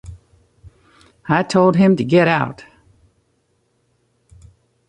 I told him to get out.